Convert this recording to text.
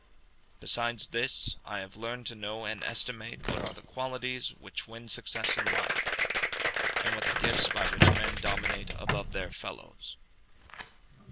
Besides this, I have learned to know and estimate what are the qualities which win success in life, and what the gifts by which men dominate above their fellows.